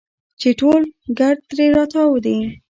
چې ټول ګرد ترې راتاو دي.